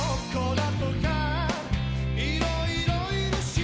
「いろいろいるし」